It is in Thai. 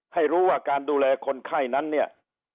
ให้รู้ว่าการดูแลคนไข้นั้นเนี่ย